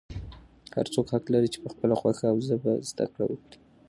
هر څوک حق لري چې په خپله خوښه او ژبه زده کړه وکړي.